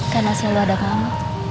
karena selalu ada kamu